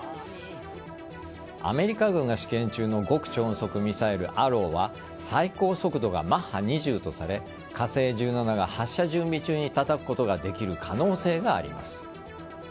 アメリカ軍が試験中の極超音速ミサイル・ＡＲＲＷは最高速度がマッハ２０とされ火星１７の発射準備中にたたくことができる可能性があります。